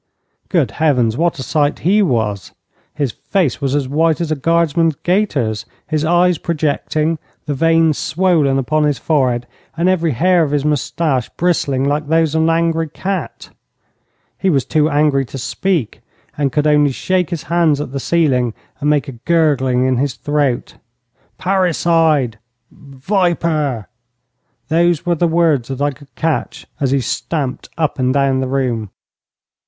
Good heavens, what a sight he was! His face was as white as a guardsman's gaiters, his eyes projecting, the veins swollen upon his forehead, and every hair of his moustache bristling like those of an angry cat. He was too angry to speak, and could only shake his hands at the ceiling and make a gurgling in his throat. 'Parricide! Viper!' those were the words that I could catch as he stamped up and down the room.